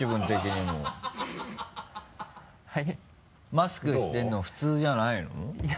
マスクしてるの普通じゃないの？